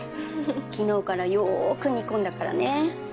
昨日からよーく煮込んだからね。